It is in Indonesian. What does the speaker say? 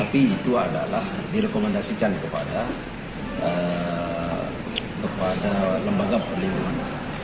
tapi itu adalah direkomendasikan kepada lembaga perlindungan